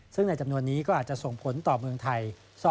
ซึ่งในจำนวนนี้ก็อาจจะส่งผลต่อเมืองไทย